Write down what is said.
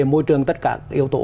môi trường tất cả yếu tố